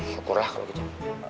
syukurlah kalo gitu